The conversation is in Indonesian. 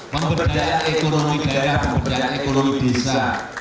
pemberdayaan ekonomi daerah pemberdayaan ekonomi desa